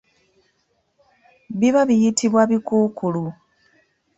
Biba biyitibwa bikuukuulu.